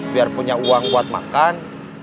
biar punya uang buat makan